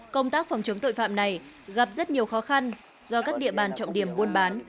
công tác phòng chống tội phạm này gặp rất nhiều khó khăn do các địa bàn trọng điểm buôn bán